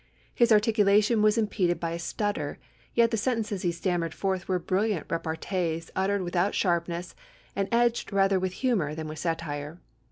His articulation was impeded by a stutter, yet the sentences he stammered forth were brilliant repartees uttered without sharpness, and edged rather with humour than with satire.